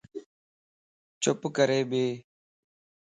چپ ڪري ٻي